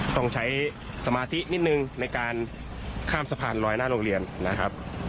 ต้องใช้สมาธินิดนึงในการข้ามสะพานลอยหน้าโรงเรียนนะครับ